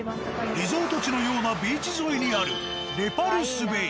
リゾート地のようなビーチ沿いにあるレパルスベイ。